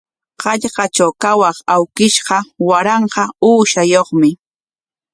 Hallqatraw kawaq awkishqa waranqa uushayuqmi.